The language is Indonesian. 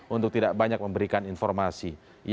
untuk tidak banyak memberikan informasi